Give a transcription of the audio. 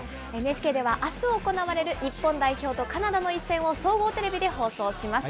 ＮＨＫではあす行われる日本代表とカナダの一戦を総合テレビで放送します。